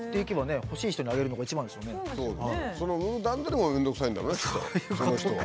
その売る段取りも面倒くさいんだろうねきっとその人は。